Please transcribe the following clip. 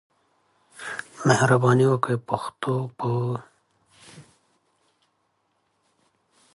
Bianca leaves the decision to Liam.